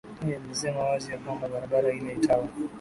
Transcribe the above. eeh nilisema wazi ya kwamba barabara ile itawa